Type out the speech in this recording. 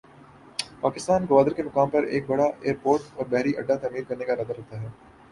پاکستان گوادر کے مقام پر ایک بڑا ایئرپورٹ اور بحری اڈہ تعمیر کرنے کا ارادہ رکھتا ہے۔